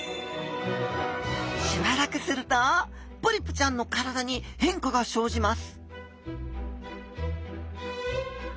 しばらくするとポリプちゃんの体に変化が生じます